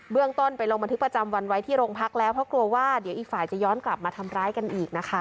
เรื่องต้นไปลงบันทึกประจำวันไว้ที่โรงพักแล้วเพราะกลัวว่าเดี๋ยวอีกฝ่ายจะย้อนกลับมาทำร้ายกันอีกนะคะ